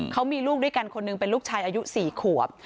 เขามีลูกด้วยกันคนหนึ่งเป็นลูกชายอายุ๔ขวบ